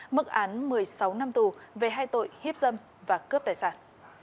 mức án một mươi sáu năm tù về hai tội hiếp dâm và cướp tài sản